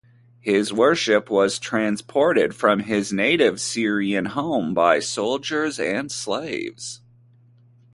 His worship was transported from his native Syrian home by soldiers and slaves.